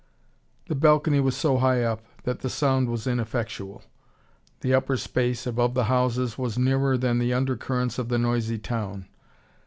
The balcony was so high up, that the sound was ineffectual. The upper space, above the houses, was nearer than the under currents of the noisy town.